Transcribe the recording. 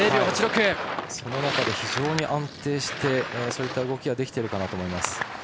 その中で非常に安定してそういった動きができていると思います。